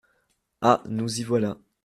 Ah ! nous y voilà !